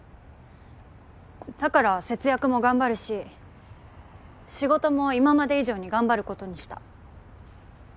だから節約も頑張るし仕事も今まで以上に頑張ることにした。